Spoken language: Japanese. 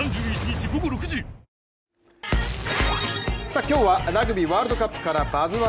え．．．今日はラグビーワールドカップから「バズ☆１」